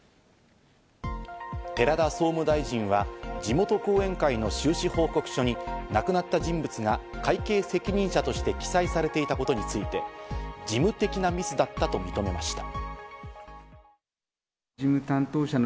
寺田総務大臣は地元後援会の収支報告書に亡くなった人物が会計責任者として記載されていたことについて、事務的なミスだったと認めました。